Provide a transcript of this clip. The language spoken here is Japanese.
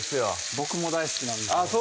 僕も大好きなんですよあっ